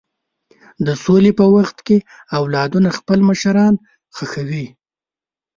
د سولې په وخت کې اولادونه خپل مشران ښخوي.